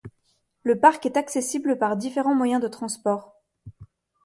Le parc est accessible par différents moyens de transports.